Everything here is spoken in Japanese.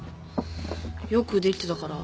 よくできてたから。